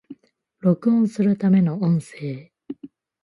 録音するための音声